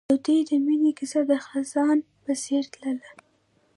د دوی د مینې کیسه د خزان په څېر تلله.